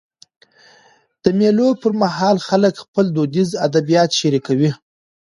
د مېلو پر مهال خلک خپل دودیز ادبیات شريکوي.